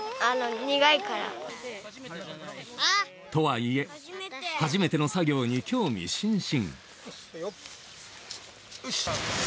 苦いから。とはいえ初めての作業に興味津々。